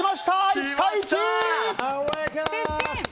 １対１！